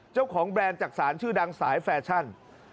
เจ้าของแบรนด์จากศาลชื่อดังสายแฟชั่น